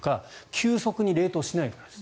急速に冷凍しないからです。